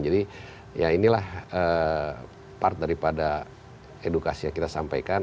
jadi ya inilah part daripada edukasi yang kita sampaikan